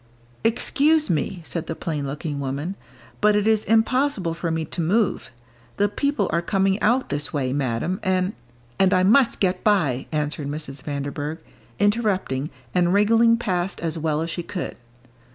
"Excuse me," said the plain looking woman, "but it is impossible for me to move; the people are coming out this way, Madam, and " "And I must get by," answered Mrs. Vanderburgh, interrupting, and wriggling past as well as she could.